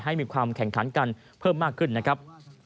ให้มีความแข่งขันกันเพิ่มมากขึ้นนะครับ